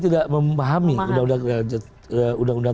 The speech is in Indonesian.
tidak memahami undang undang